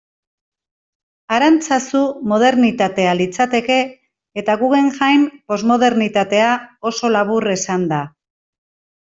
Arantzazu modernitatea litzateke, eta Guggenheim, posmodernitatea, oso labur esanda.